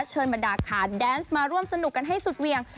เชิญบรรดาขาแดนซ์มาร่วมสนุกกันให้สุดเวียง